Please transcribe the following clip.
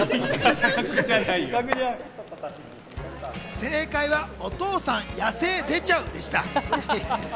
正解は、お父さん、野性出ちゃうでした。